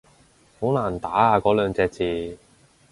好難打啊嗰兩隻字